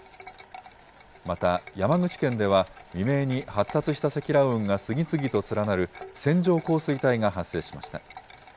また、山口県では、未明に発達した積乱雲が次々と連なる線状降水帯が発生しました。